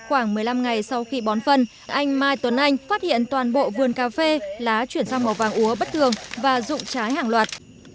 khoảng một mươi năm ngày sau khi bón phân anh mai tuấn anh phát hiện toàn bộ vườn cà phê lá chuyển sang màu vàng úa bất thường và rụng trái hàng loạt